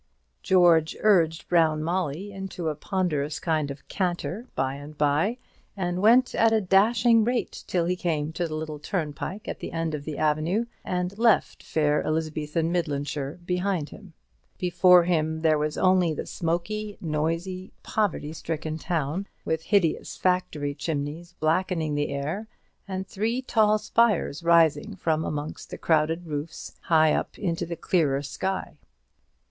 George urged Brown Molly into a ponderous kind of canter by and by, and went at a dashing rate till he came to the little turnpike at the end of the avenue, and left fair Elizabethan Midlandshire behind him. Before him there was only the smoky, noisy, poverty stricken town, with hideous factory chimneys blackening the air, and three tall spires rising from amongst the crowded roofs high up into the clearer sky. Mr.